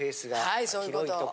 はいそういうこと。